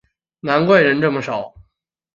难怪人这么少